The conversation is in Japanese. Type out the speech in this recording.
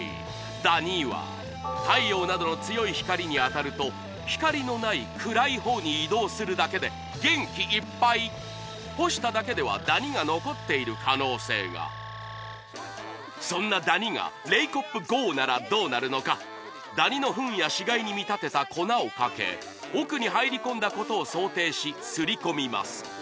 ダニは太陽などの強い光に当たると光のない暗いほうに移動するだけで元気いっぱい干しただけではダニが残っている可能性がそんなダニがレイコップＧＯならどうなるのかダニのフンや死骸に見立てた粉をかけ奥に入り込んだことを想定しすり込みます